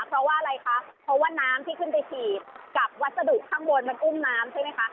เพราะว่าอะไรคะเพราะว่าน้ำที่ขึ้นไปฉีดกับวัสดุข้างบนมันอุ้มน้ำใช่ไหมคะ